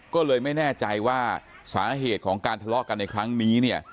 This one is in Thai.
ก็เลยไม่แน่ใจว่าสาเหตุของการทะเลาะกันในครั้งนี้เนี่ย